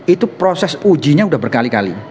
itu proses ujinya sudah berkali kali